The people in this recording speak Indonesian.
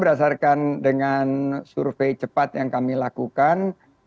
berdasarkan dengan survei cepat yang kami lakukan